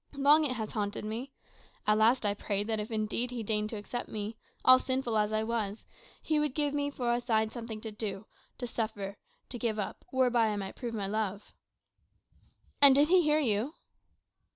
Long it haunted me. At last I prayed that if indeed he deigned to accept me, all sinful as I was, he would give me for a sign something to do, to suffer, or to give up, whereby I might prove my love." "And did he hear you?"